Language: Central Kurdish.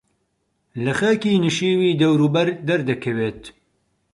لە خاکی نشێوی دەوروبەر دەردەکەوێت